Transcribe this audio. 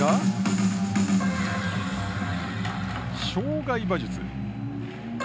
障害馬術。